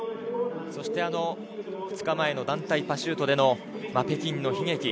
そして２日前の団体パシュートでの北京の悲劇。